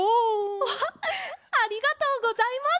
アハッありがとうございます！